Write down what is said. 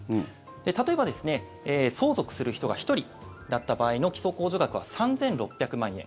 例えば相続する人が１人だった場合の基礎控除額は３６００万円。